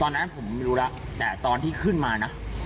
ตอนนั้นผมไม่รู้แล้วแต่ตอนที่ขึ้นมานะ